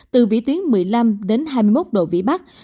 từ vỉ tuyến một mươi năm hai mươi một độ vĩ bắc